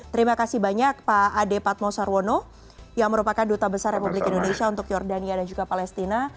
terima kasih banyak pak ade patmosar wono yang merupakan duta besar republik indonesia untuk jordania dan juga palestina